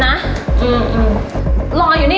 นางเฟิร์น